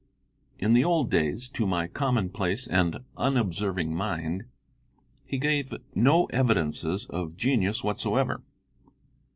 In the old days, to my commonplace and unobserving mind, he gave no evidences of genius whatsoever.